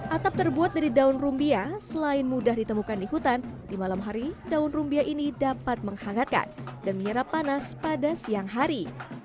atap terbuat dari daun rumbia selain mudah ditemukan di hutan di malam hari daun rumbia ini dapat menghangatkan dan menyerap panas pada siang hari